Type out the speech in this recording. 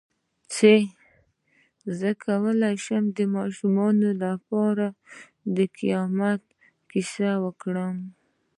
څ�ه کولی شم د ماشومانو لپاره د قیامت کیسه وکړم